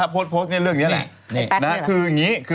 โพสต์เรื่องนี้แหละ